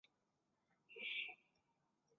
大多的升力都产生于翼展的内部。